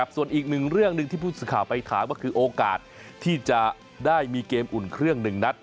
ส่วนอีกเรื่องหนึ่งที่พุทธศิษยาไปถามว่าคือโอกาสที่จะได้มีเกมอุ่นเครื่องหนึ่งนัด